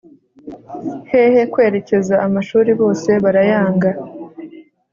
hehe kwerekeza amashuri ,bose barayanga